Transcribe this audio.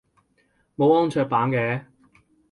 冇安卓版嘅？